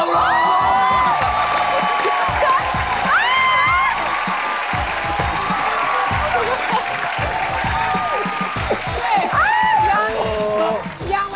ไม่ได้เปิดเลย